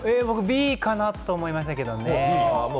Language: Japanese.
僕はＢかなと思いましたけれども。